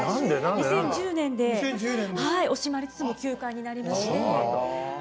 ２０１０年で惜しまれつつも休刊になりまして。